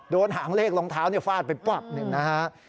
หางเลขรองเท้าฟาดไปปวับหนึ่งนะฮะ